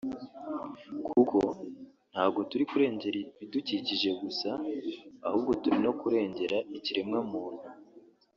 kuko ntago turi kurengera ibidukikije gusa ahubwo turi no kurengera ikiremwamuntu